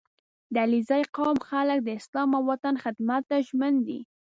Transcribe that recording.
• د علیزي قوم خلک د اسلام او وطن خدمت ته ژمن دي.